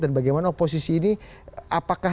dan bagaimana oposisi ini apakah